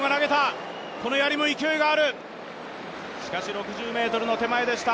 ６０ｍの手前でした。